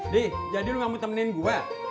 dih jadi lo gak mau temenin gua